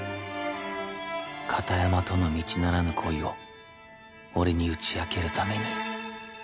片山との道ならぬ恋を俺に打ち明けるために？